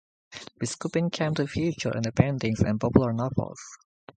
Biskupin came to feature in paintings and popular novels.